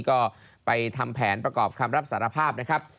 ก็ไปทำแผนประกอบคำรับสารภาพนะครับ